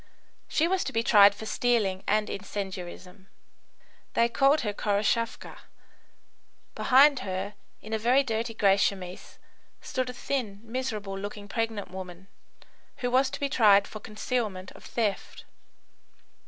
She was to be tried for stealing and incendiarism. They called her Khoroshavka. Behind her, in a very dirty grey chemise, stood a thin, miserable looking pregnant woman, who was to be tried for concealment of theft.